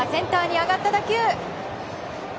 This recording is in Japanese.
センターに上がった打球。